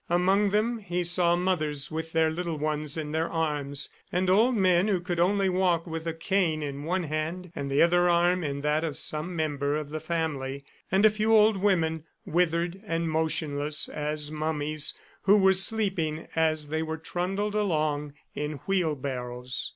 ... Among them he saw mothers with their little ones in their arms, and old men who could only walk with a cane in one hand and the other arm in that of some member of the family, and a few old women, withered and motionless as mummies, who were sleeping as they were trundled along in wheelbarrows.